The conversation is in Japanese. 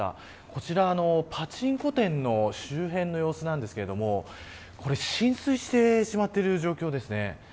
こちらパチンコ店の周辺の様子なんですがこれ浸水してしまっている状況です。